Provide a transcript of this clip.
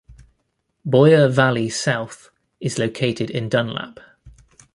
Boyer Valley South is located in Dunlap.